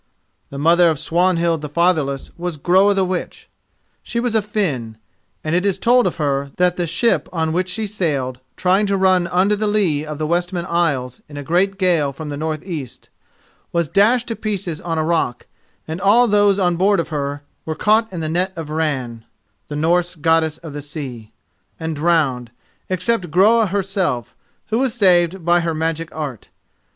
The mother of Swanhild the Fatherless was Groa the Witch. She was a Finn, and it is told of her that the ship on which she sailed, trying to run under the lee of the Westman Isles in a great gale from the north east, was dashed to pieces on a rock, and all those on board of her were caught in the net of Ran[*] and drowned, except Groa herself, who was saved by her magic art.